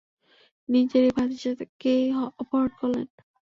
নিজেরই ভাতিজাকেই অপহরণ করলেন।